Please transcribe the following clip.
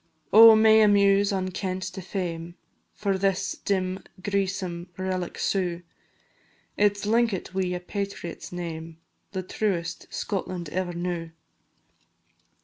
Oh, may a muse unkent to fame For this dim greesome relic sue, It 's linkit wi' a patriot's name, The truest Scotland ever knew.